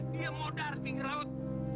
dia modar pinggir laut